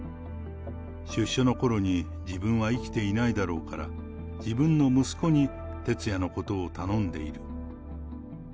出所のころに自分は生きていないだろうから、自分の息子に徹也のことを頼んでいる。